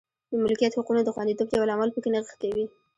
د ملکیت حقونو د خوندیتوب یو لامل په کې نغښتې وې.